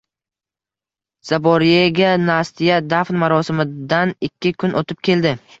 Zaboryega Nastya dafn marosimidan ikki kun oʻtib keldi.